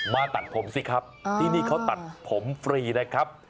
มาตัดผมสิครับที่นี่เขาตัดผมฟรีนะครับ